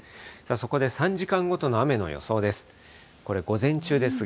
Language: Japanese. そこで３時間ごとの雨の予想です。